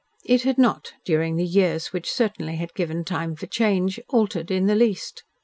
It had not, during the years which certainly had given time for change, altered in the least.